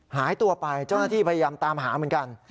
หายตัวไปเจ้าหน้าที่พยายามตามหาเหมือนกัน